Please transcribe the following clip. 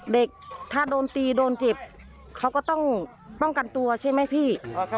เด็กถ้าโดนตีโดนเจ็บเขาก็ต้องป้องกันตัวใช่ไหมพี่